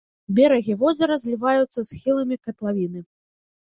Берагі возера зліваюцца з схіламі катлавіны.